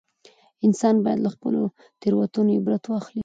انسان باید له خپلو تېروتنو عبرت واخلي